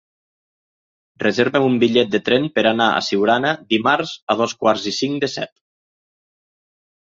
Reserva'm un bitllet de tren per anar a Siurana dimarts a dos quarts i cinc de set.